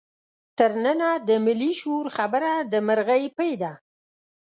تر ننه د ملي شعور خبره د مرغۍ پۍ ده.